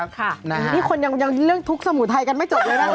คนนี้คนยังเลื่อนทุกสมุทรไทยกันไม่จบเลยนะคะ